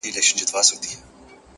o هو په همزولو کي له ټولو څخه پاس يمه ـ